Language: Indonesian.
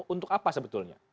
untuk apa sebetulnya